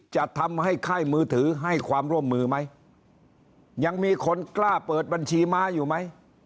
จะทำให้ค่ายมือถือให้ความร่วมมือไหมยังมีคนกล้าเปิดบัญชีม้าอยู่ไหม